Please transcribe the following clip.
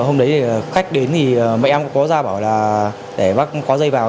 hôm đấy khách đến thì mẹ em cũng có ra bảo là để vác quá dây vào